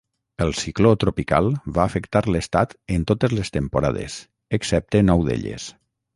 El cicló tropical va afectar l'estat en totes les temporades, excepte nou d'elles.